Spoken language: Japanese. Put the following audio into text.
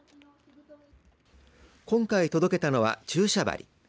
今回届けたのは注射針。